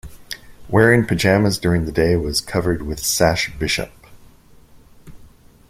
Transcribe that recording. Wearing pyjamas during the day was covered with Sash Bishop.